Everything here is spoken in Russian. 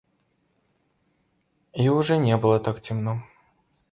И уже не было так темно.